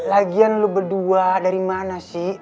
lagian lu berdua dari mana sih